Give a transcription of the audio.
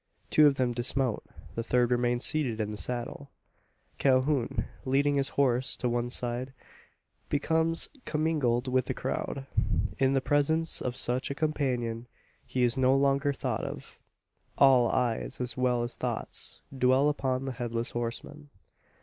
Two of them dismount; the third remains seated in the saddle. Calhoun, leading his horse to one side, becomes commingled with the crowd. In the presence of such a companion, he is no longer thought of. All eyes, as well as thoughts, dwell upon the Headless Horseman.